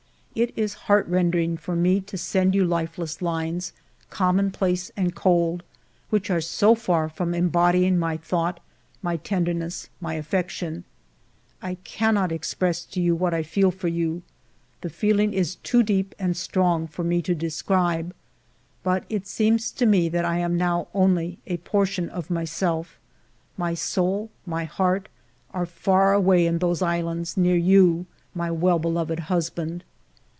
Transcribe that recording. It is heartrending for me to send you lifeless lines, commonplace and cold, which are so far from embodying my thought, my tender ness, my affection. I cannot express to you what I feel for you : the feeling is too deep and strong for me to describe ; but it seems to me that I am now only a portion of myself, — my soul, my heart, are far away in those islands, near you, my well beloved husband.